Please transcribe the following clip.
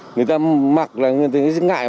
người ta mặc là người ta rất ngại